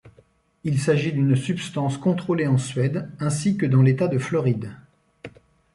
Il s'agit d'une substance contrôlée en Suède, ainsi que dans l'État de Floride.